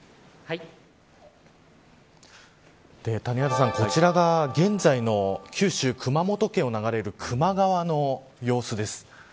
谷原さん、こちらが現在の九州熊本県を流れる球磨川の様子です。